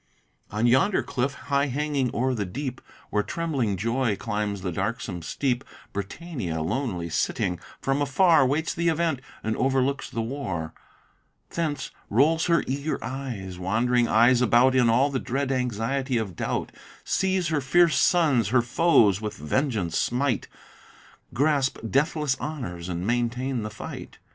On yonder cliff, high hanging o'er the deep, Where trembling joy climbs the darksome steep; Britannia lonely sitting, from afar Waits the event, and overlooks the war; Thence, rolls her eager wand'ring eyes about In all the dread anxiety of doubt; Sees her fierce sons, her foes with vengeance smite, Grasp deathless honors, and maintain the fight.